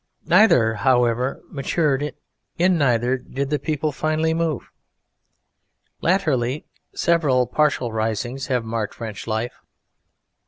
Neither, however, matured; in neither did the people finally move. Latterly several partial risings have marked French life.